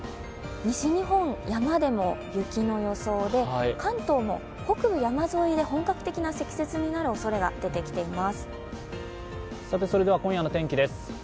西日本は山でも雪の予想で、関東も北部山沿いで本格的な積雪になるおそれが出てきています。